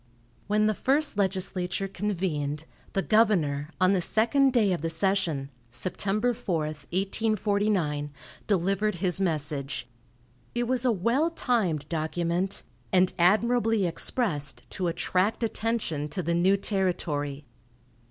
When the first legislature convened, the governor, on the second day of the session (Sept. 4, 1849), delivered his message. It was a well timed document, and admirably expressed to attract attention to the new territory.